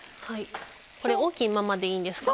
大きいままでいいんですか？